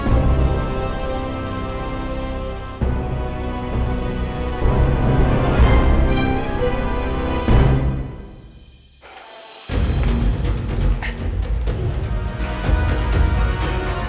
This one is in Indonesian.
aku mau mencoba